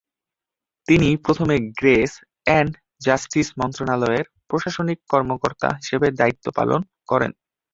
তিনি প্রথমে grace and justice মন্ত্রণালয়ের প্রশাসনিক কর্মকর্তা হিসেবে দায়িত্ব পালন করেন।